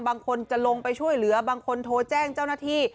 บางคนจะลงไปช่วยเหลือบางคนโทรแจ้งเจ้าหน้าที่